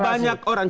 berapa banyak orang